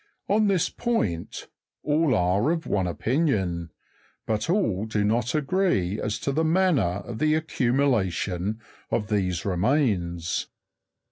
On this point all are of one opinion; but all do not agree as to the manner of accumulation of these re mains.